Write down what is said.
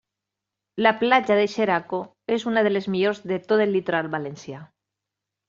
La platja de Xeraco és una de les millors de tot el litoral valencià.